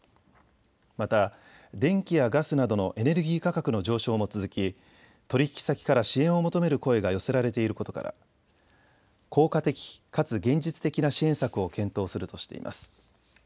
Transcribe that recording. また電気やガスなどのエネルギー価格の上昇も続き取引先から支援を求める声が寄せられていることから効果的かつ現実的な支援策を検討するとしています。